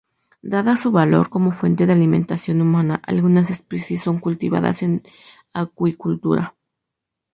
Dada su valor como fuente de alimentación humana algunas especies son cultivadas en acuicultura.